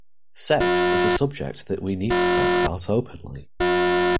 Sex is a subject that we need to talk about openly.